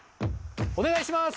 お願いします。